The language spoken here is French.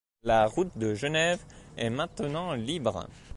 La route de Genève est maintenant libre.